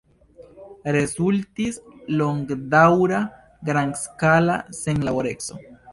Rezultis longdaŭra grandskala senlaboreco.